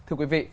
thưa quý vị